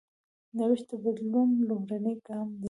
نوښت د بدلون لومړنی ګام دی.